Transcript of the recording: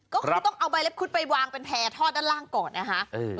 ก็คือต้องเอาใบเล็บคุดไปวางเป็นแพร่ทอดด้านล่างก่อนนะคะ